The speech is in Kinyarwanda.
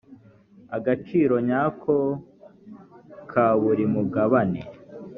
agaciro nyako ka buri mugabane